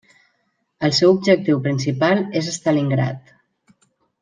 El seu objectiu principal és Stalingrad.